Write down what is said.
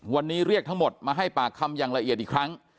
วันนี้เรียกทั้งหมดมาให้ปากคำอย่างละเอียดอีกครั้ง